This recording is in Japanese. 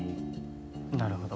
なるほど。